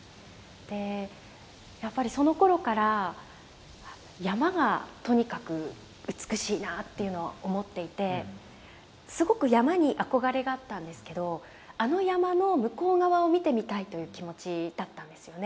でやっぱりそのころから山がとにかく美しいなっていうのは思っていてすごく山に憧れがあったんですけどあの山の向こう側を見てみたいという気持ちだったんですよね。